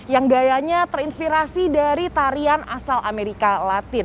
yang gayanya terinspirasi dari tarian asal amerika latin